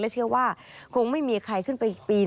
เชื่อว่าคงไม่มีใครขึ้นไปปีน